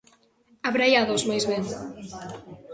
Abraiados, máis ben.